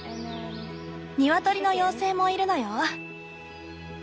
ニワトリの妖精もいるのよ。